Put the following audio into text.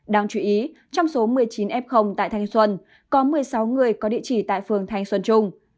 đáng chú ý trong số một mươi chín f tại thanh xuân có một mươi sáu người có địa chỉ tại phường thanh xuân trung